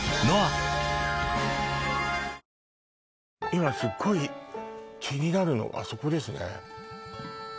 今すごい気になるのがあそこですね